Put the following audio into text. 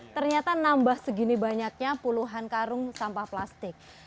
ternyata nambah segini banyaknya puluhan karung sampah plastik